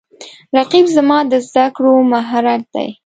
رقیب زما د زده کړو محرک دی